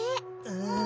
うん。